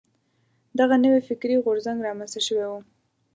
دغه نوی فکري غورځنګ را منځته شوی و.